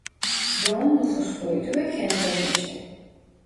Yoğun nüfusluydu ve kentleşmişti.